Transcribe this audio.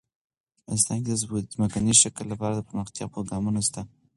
افغانستان کې د ځمکنی شکل لپاره دپرمختیا پروګرامونه شته.